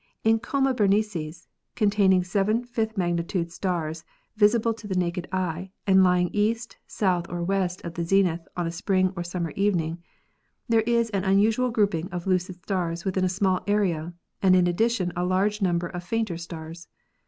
In Coma Berenices, containing seven fifth magnitude stars visible to the naked eye and lying east, south or west of the zenith on a spring or summer evening, there is an unusual grouping of lucid stars within a small area and in addition a large number of fainter stars.